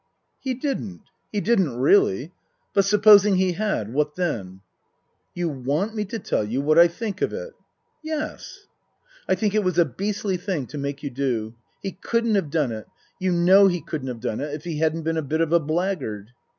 " He didn't. He didn't really. But supposing he had what then ?"" You want me to tell you what I think of it ?"" Yes." " I think it was a beastly thing to make you do. He couldn't have done it you know he couldn't have done it if he hadn't been a bit of a blackguard."